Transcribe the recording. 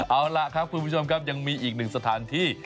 เอาล่ะครับคุณผู้ชมครับยังมีอีกหนึ่งสถานที่